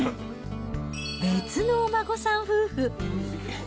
別のお孫さん夫婦。